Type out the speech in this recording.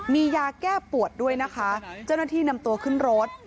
มียาแก้ปวดด้วยนะคะเจ้าหน้าที่นำตัวขึ้นรถ